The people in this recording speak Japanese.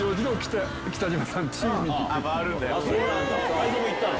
泰造も行ったの？